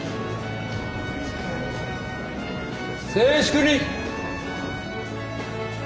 静粛に。